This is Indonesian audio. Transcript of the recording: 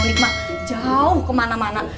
nikmah jauh kemana mana